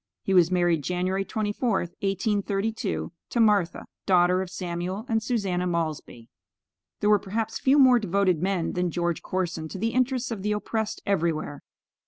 He was married January 24th, 1832, to Martha, daughter of Samuel and Susanna Maulsby. There were perhaps few more devoted men than George Corson to the interests of the oppressed everywhere.